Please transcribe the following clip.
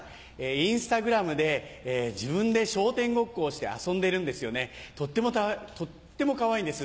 Ｉｎｓｔａｇｒａｍで自分で笑点ごっこをして遊んでるんですよねとってもかわいいんです。